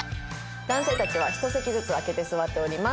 男性たちは１席ずつ空けて座っております。